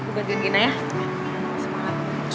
bukan gini gini ya